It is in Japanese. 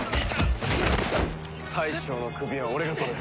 大将の首は俺が取る。